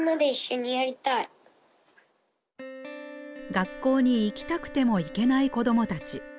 学校に行きたくても行けない子どもたち。